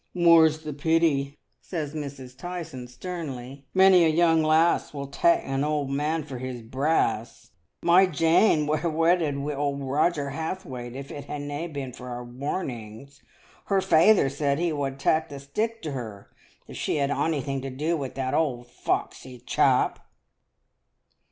"More's the pity," says Mrs. Tyson, sternly. Many a young lass will tak' an old man for his brass. My Jane would ha' wedded wi' old Roger Hathwaite if it had na' been for our warnings. Her feyther said he wad tak' the stick to her if she had onything to do wi' that old foxy chap."